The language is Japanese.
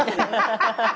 ハハハ。